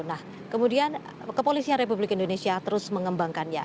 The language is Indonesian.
nah kemudian kepolisian republik indonesia terus mengembangkannya